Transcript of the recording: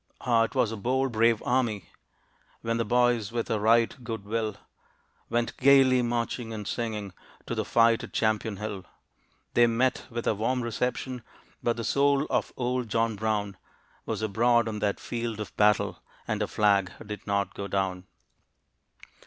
Ah, 'twas a bold brave army, When the boys, with a right good will, Went gayly marching and singing To the fight at Champion Hill. They met with a warm reception, But the soul of "Old John Brown" Was abroad on that field of battle, And our flag did NOT go down.